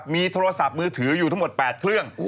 มีโทรศัพท์มือถืออยู่ทั้งหมด๘เครื่อง